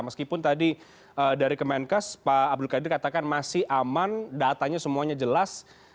meskipun tadi dari kemenkes pak abdul qadir katakan masih aman datanya semuanya jelas